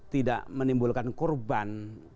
tidak menimbulkan kurban